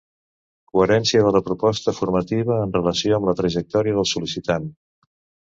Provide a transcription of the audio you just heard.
Coherència de la proposta formativa en relació amb la trajectòria del sol·licitant.